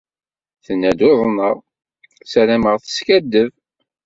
Tenna-d uḍneɣ, sarameɣ teskaddeb.